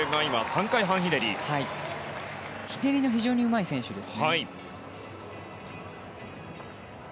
ひねりが非常にうまい選手です。